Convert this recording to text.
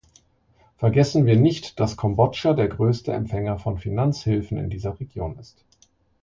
Vergessen wir nicht, dass Kambodscha der größte Empfänger von Finanzhilfen in dieser Region ist.